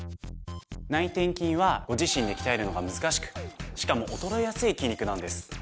内転筋はご自身で鍛えるのが難しくしかも衰えやすい筋肉なんです。